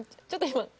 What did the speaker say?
ちょっと今。